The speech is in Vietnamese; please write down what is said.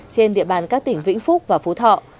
trên địa bàn các tỉnh vĩnh phúc và phú thọ